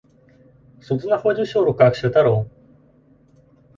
Суд знаходзіўся ў руках святароў.